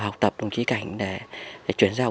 học tập đồng chí cảnh để chuyển giao